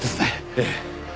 ええ。